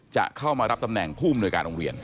จะเข้ามารับตำแหน่งผู้อำนวยการโรงเรียน